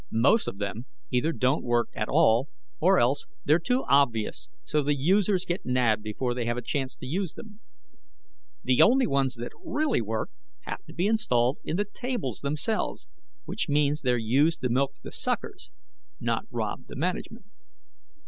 Most of them either don't work at all or else they're too obvious, so the users get nabbed before they have a chance to use them. The only ones that really work have to be installed in the tables themselves, which means they're used to milk the suckers, not rob the management.